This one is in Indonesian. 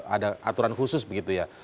ada aturan khusus begitu ya